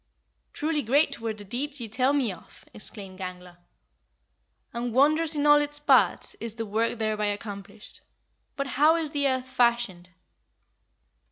"Truly great were the deeds ye tell me of!" exclaimed Gangler; "and wondrous in all its parts is the work thereby accomplished. But how is the earth fashioned?"